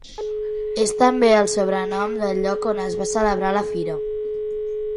És també el sobrenom del lloc on es va celebrar la fira.